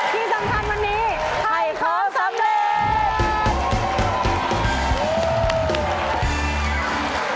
ที่สำคัญวันนี้ให้เขาสำเร็จ